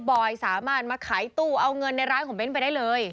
อยสามารถมาขายตู้เอาเงินในร้านของเบ้นไปได้เลย